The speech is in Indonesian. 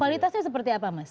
kualitasnya seperti apa mas